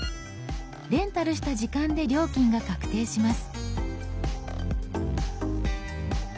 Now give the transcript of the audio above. レンタルした時間で料金が確定します。